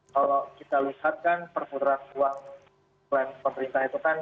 kalau kita lihat kan perputaran uang pemerintah itu kan